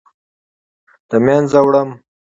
د مینځه وړم